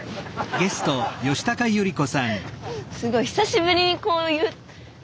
すごい久しぶりにこういう何だろう